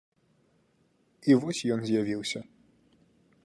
І вось ён з'явіўся.